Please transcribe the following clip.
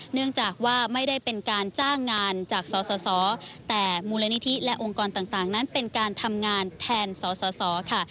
เนื่องจากว่าไม่ได้เป็นการจ้างงานจากสสแต่มูลนิธิและองค์กรต่างนั้นเป็นการทำงานแทนสสค่ะ